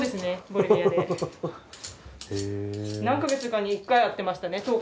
何か月かに１回会ってましたね。